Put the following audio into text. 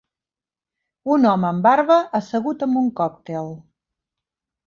Un home amb barba assegut amb un còctel